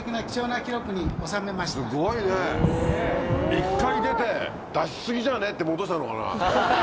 一回出て出し過ぎじゃね？って戻したのかな？